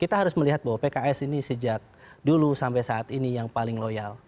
kita harus melihat bahwa pks ini sejak dulu sampai saat ini yang paling loyal